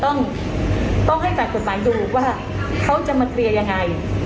ต้องต้องให้ฝ่ายกฎหมายดูว่าเขาจะมาเคลียร์ยังไง